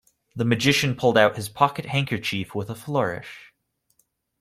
The magician pulled out his pocket handkerchief with a flourish.